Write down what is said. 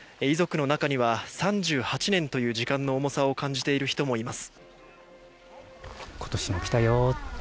遺族の中には３８年という時間の重さを感じている人もいます。